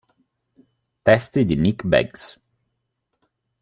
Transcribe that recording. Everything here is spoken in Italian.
Testi di Nick Beggs.